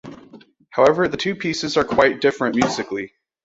However, the two pieces are quite different musically.